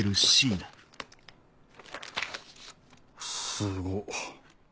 すごっ。